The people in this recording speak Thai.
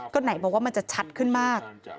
ก็ไหนบอกว่ามันจะชัดขึ้นมาก